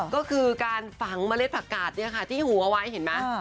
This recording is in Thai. ก็คือการฝังเมล็ดผักกาดที่หูเอาไว้เห็นไหม